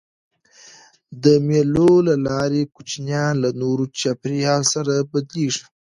د مېلو له لاري کوچنيان له نوي چاپېریال سره بلديږي.